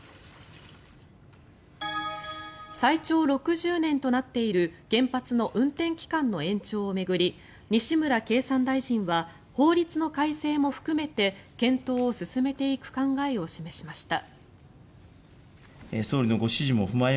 最長６０年となっている原発の運転期間の延長を巡り西村経産大臣は法律の改正も含めて検討を進めていく考えを示しました。